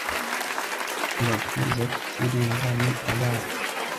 amabwiriza yo kucyirinda ni ayahe